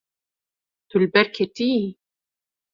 Tu li ber ketiyî.